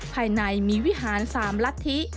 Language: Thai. ภายในมีวิหาร๓ลัทธิ